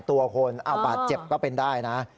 เอาบ้าเจ็บก็เป็นได้นะ